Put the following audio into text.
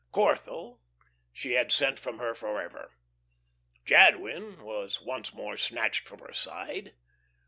Corthell she had sent from her forever. Jadwin was once more snatched from her side.